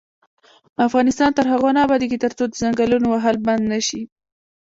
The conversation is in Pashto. افغانستان تر هغو نه ابادیږي، ترڅو د ځنګلونو وهل بند نشي.